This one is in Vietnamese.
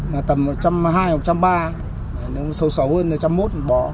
nếu mà sâu sâu hơn thì một trăm linh một bó